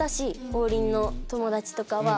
王林の友達とかは。